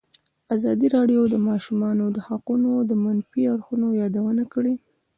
ازادي راډیو د د ماشومانو حقونه د منفي اړخونو یادونه کړې.